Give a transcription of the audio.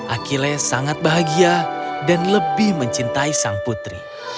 akile sangat bahagia dan lebih mencintai sang putri